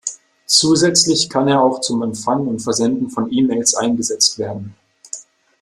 Zusätzlich kann er auch zum Empfang und Versenden von E-Mails eingesetzt werden.